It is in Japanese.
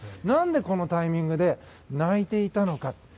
何で、このタイミングで泣いていたのか。